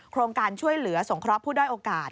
โครงการช่วยเหลือสงเคราะห์ผู้ด้อยโอกาส